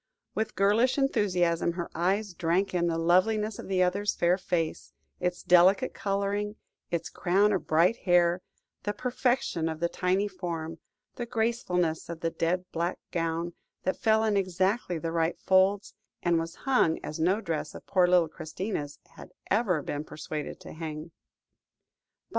With girlish enthusiasm her eyes drank in the loveliness of the other's fair face, its delicate colouring, its crown of bright hair; the perfection of the tiny form, the gracefulness of the dead black gown, that fell in exactly the right folds, and was hung as no dress of poor little Christina's had ever been persuaded to hang.